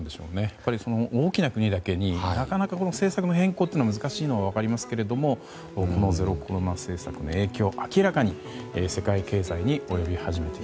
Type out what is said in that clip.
やっぱり大きな国だけになかなか政策の変更が難しいのは分かりますがこのゼロコロナ政策の影響